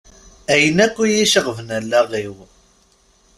Ayen akk iyi-iceɣben allaɣ-iw.